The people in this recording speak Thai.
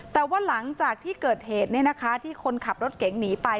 แต่ว่าหลังจากที่เกิดเหตุที่คนขับรถเก๋งหนีไป